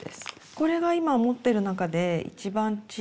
これが今持ってる中で一番小さいです。